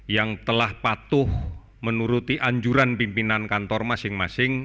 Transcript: yang telah patuh menuruti anjuran pimpinan kantor masing masing